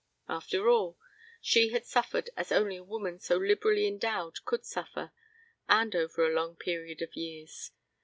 After all, she had suffered as only a woman so liberally endowed could suffer, and over a long period of years.